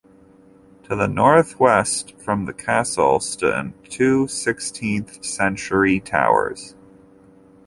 To the north-west from the castle stand two sixteenth-century towers.